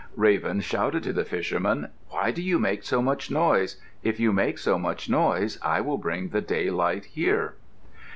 Raven shouted to the fishermen, "Why do you make so much noise? If you make so much noise I will bring the daylight here."